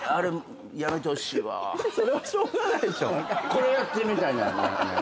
これやってるみたいな。